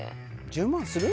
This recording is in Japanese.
１０万する？